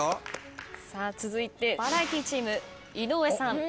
続いてバラエティチーム井上さん。